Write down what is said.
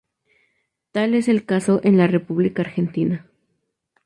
Tal es el caso en la República Argentina.